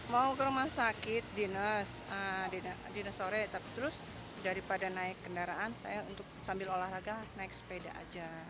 mau ke rumah sakit dinas sore terus daripada naik kendaraan saya untuk sambil olahraga naik sepeda aja